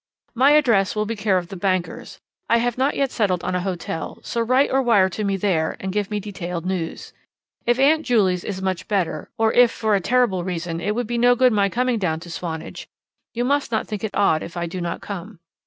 My address will be care of the bankers. I have not yet settled on a hotel, so write or wire to me there and give me detailed news. If Aunt Juley is much better, or if, for a terrible reason, it would be no good my coming down to Swanage, you must not think it odd if I do not come.